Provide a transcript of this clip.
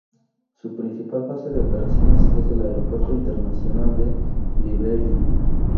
Su principal base de operaciones es el Aeropuerto Internacional de Libreville.